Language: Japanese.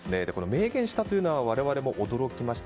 明言したというのは我々も驚きました。